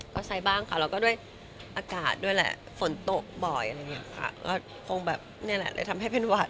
ก็ใช้บ้างค่ะแล้วก็ด้วยอากาศด้วยแหละฝนตกบ่อยอะไรอย่างนี้ค่ะก็คงแบบนี่แหละเลยทำให้เป็นหวัด